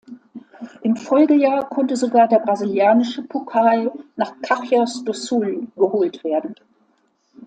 Im Folgejahr konnte sogar der brasilianische Pokal nach Caxias do Sul geholt werden.